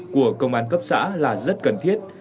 của công an cấp xã là rất cần thiết